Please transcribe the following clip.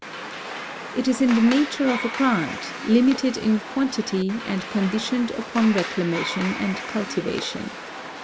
It is in the nature of a grant, limited in quantity, and condi tioned upon reclamation and cultivation.